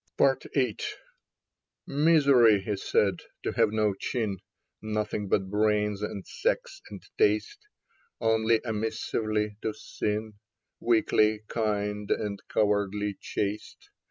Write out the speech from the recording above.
74 Leda VIII MISERY," he said, " to have no chin, Nothing but brains and sex and taste : Only omissively to sin, Weakly kind and cowardly chaste.